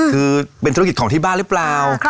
คือเป็นธุรกิจของที่บ้านหรือเปล่า